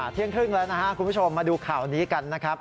เที่ยงครึ่งแล้วนะครับคุณผู้ชมมาดูข่าวนี้กันนะครับ